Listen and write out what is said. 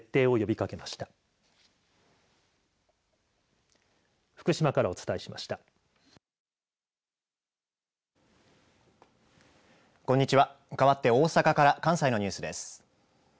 かわって大阪から関西のニュースです。